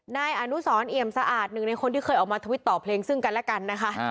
นายอนุสรเอี่ยมสะอาดหนึ่งในคนที่เคยออกมาทวิตต่อเพลงซึ่งกันและกันนะคะ